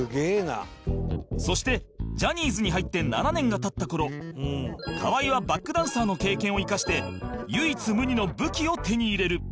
そしてジャニーズに入って７年が経った頃河合はバックダンサーの経験を生かして唯一無二の武器を手に入れる